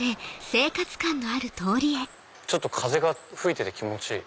ちょっと風が吹いてて気持ちいい。